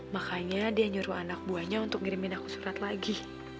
makanya dia nyuruh anak buahnya untuk ngirimin aku surat lagi